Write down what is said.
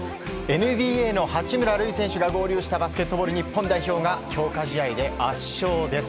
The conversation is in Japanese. ＮＢＡの八村塁選手が合流したバスケットボール日本代表が強化試合で圧勝です。